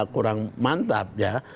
kurang mantap ya